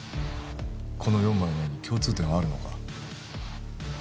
この４枚の絵に共通点はあるのか？